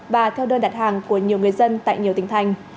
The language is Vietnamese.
và theo đơn đặt hàng của nhiều người dân tại nhiều tỉnh thành